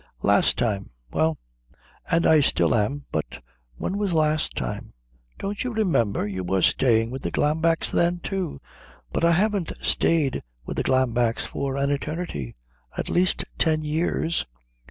"Last time. Well, and I still am." "But when was last time?" "Don't you remember? You were staying with the Glambecks then, too." "But I haven't stayed with the Glambecks for an eternity. At least ten years."